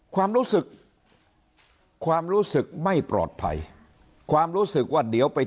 ความรู้สึกความรู้สึกไม่ปลอดภัยความรู้สึกว่าเดี๋ยวไป